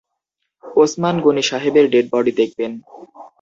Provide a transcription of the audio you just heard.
ওসমান গনি সাহেবের dead body দেখবেন।